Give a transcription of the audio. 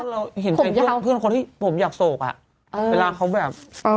เราเห็นเป็นเพื่อนคนที่ผมอยากโศกอ่ะเวลาเขาแบบ